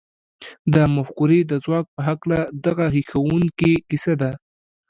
د مفکورې د ځواک په هکله دغه هیښوونکې کیسه ده